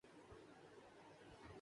آج